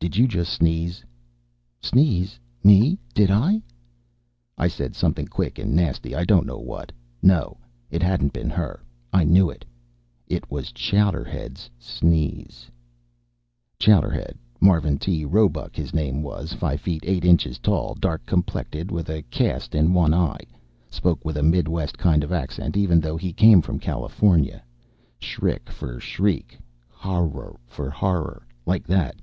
"Did you just sneeze?" "Sneeze? Me? Did I " I said something quick and nasty, I don't know what. No! It hadn't been her. I knew it. It was Chowderhead's sneeze. Chowderhead. Marvin T. Roebuck, his name was. Five feet eight inches tall. Dark complected, with a cast in one eye. Spoke with a Midwest kind of accent, even though he came from California "shrick" for "shriek," "hawror" for "horror," like that.